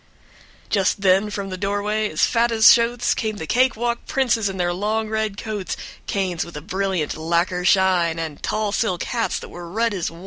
# Just then from the doorway, as fat as shotes, Came the cake walk princes in their long red coats, Canes with a brilliant lacquer shine, And tall silk hats that were red as wine.